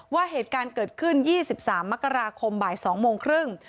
ว่าเหตุการณ์เกิดขึ้น๒๓มกราคมบ่าย๒โมงครึ่ง